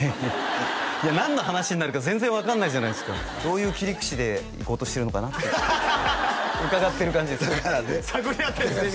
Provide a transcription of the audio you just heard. いや何の話になるか全然分かんないじゃないですかどういう切り口でいこうとしてるのかなってうかがってる感じです探り合ってるんですね